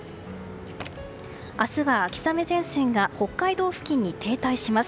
明日は秋雨前線が北海道付近に停滞します。